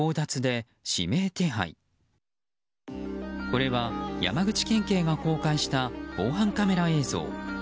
これは山口県警が公開した防犯カメラ映像。